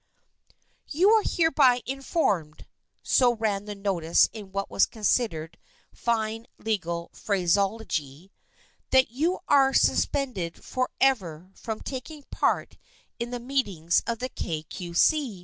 You are hereby informed " (so ran the notice in what was considered fine legal phraseology), " that you are suspended forever from taking part in the meetings of the Kay Cue See.